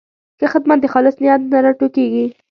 ښه خدمت د خالص نیت نه راټوکېږي.